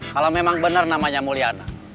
kalau memang benar namanya mulyana